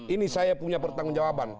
ini saya punya pertanggung jawaban